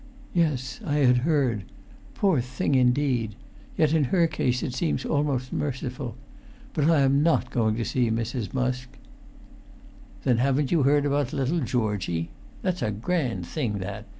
"Yes, I had heard. Poor thing, indeed! Yet in her case it seems almost merciful. But I am not going to see Mrs. Musk." "Then haven't you heard about little Georgie? That's a grand thing, that!